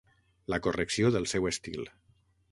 La correcció del seu estil.